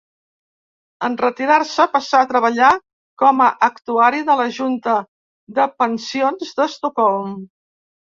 En retirar-se passà a treballar com a actuari de la Junta de Pensions d'Estocolm.